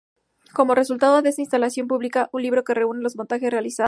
Como resultado de esta instalación, publica un libro que reúne los montajes realizados.